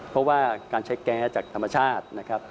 เพราะว่าการใช้แก๊สจากธรรมชาติ